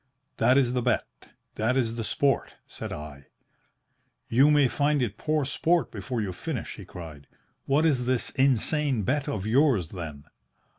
"'That is the bet. That is the sport, said I.' "'You may find it poor sport before you finish,' he cried. 'What is this insane bet of yours then?'